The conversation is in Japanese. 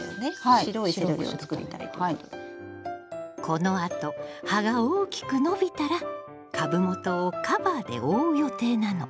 このあと葉が大きく伸びたら株元をカバーで覆う予定なの。